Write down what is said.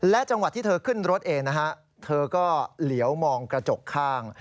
จังหวะที่เธอขึ้นรถเองนะฮะเธอก็เหลียวมองกระจกข้าง